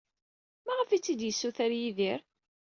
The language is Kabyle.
Maɣef ay tt-id-yessuter Yidir?